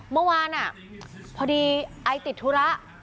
เมื่อวานพอดีไอติดธุระ